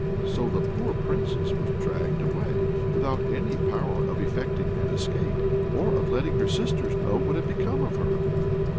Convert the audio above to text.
So the poor Princess was dragged away, without any power of effecting an escape, or of letting her sisters know what had become of her.